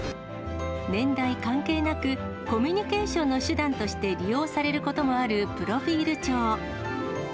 年代関係なく、コミュニケーションの手段として利用されることもあるプロフィール帳。